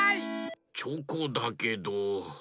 チョコだけど。